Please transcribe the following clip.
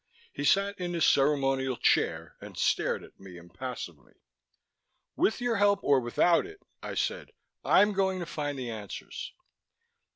He sat in his ceremonial chair and stared at me impassively. "With your help or without it," I said, "I'm going to find the answers."